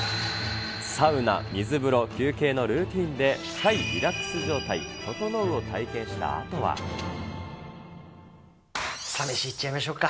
サウナ、水風呂、休憩のルーティンで、深いリラックス状態、ととのうを体験したあとは。いっちゃいましょう。